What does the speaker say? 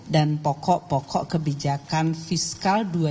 dan pokok pokok kebijakan fisik